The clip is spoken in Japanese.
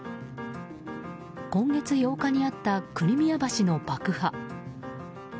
今月８日にあったクリミア橋の爆破。